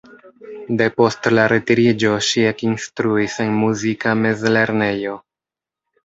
Depost la retiriĝo ŝi ekinstruis en muzika mezlernejo.